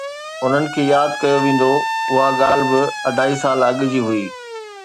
انهن کي ياد ڪيو ويندو! اها ڳالهه ٻه اڍائي سال اڳ جي هئي.